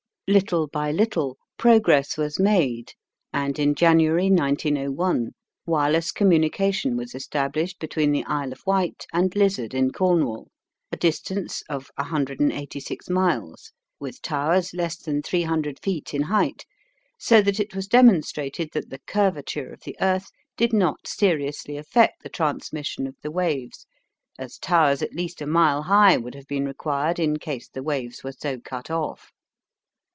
Little by little progress was made and in January, 1901, wireless communication was established between the Isle of Wight and Lizard in Cornwall, a distance of 186 miles with towers less than 300 feet in height, so that it was demonstrated that the curvature of the Earth did not seriously affect the transmission of the waves, as towers at least a mile high would have been required in case the waves were so cut off.